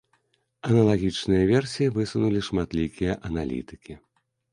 Аналагічныя версіі высунулі шматлікія аналітыкі.